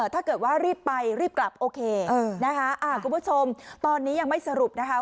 ถ้าเกิดว่ารีบไปรีบกลับโอเคนะคะคุณผู้ชมตอนนี้ยังไม่สรุปนะคะ